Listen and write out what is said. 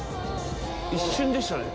一瞬でしたね。